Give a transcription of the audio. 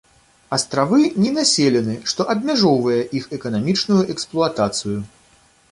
Астравы ненаселены, што абмяжоўвае іх эканамічную эксплуатацыю.